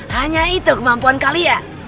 hanya itu kemampuan kalian